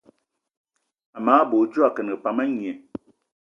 Amage bè odjo akengì pam a ngné.